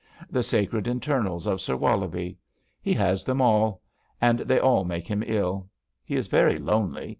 The sacred internals of Sir WoUobie I He has them all. And they all make him ill. He is very lonely.